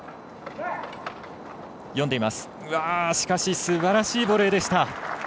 すばらしいボレーでした。